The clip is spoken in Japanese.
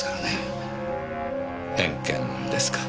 偏見ですか。